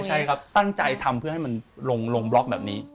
ใช่ครับตั้งใจทำเพื่อให้มันลงบล็อกแบบนี้